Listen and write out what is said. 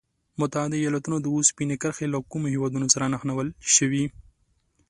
متحد ایلاتونو د اوسپنې کرښې له کومو هېوادونو سره نښلول شوي؟